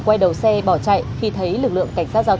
quay đầu xe bỏ chạy khi thấy lực lượng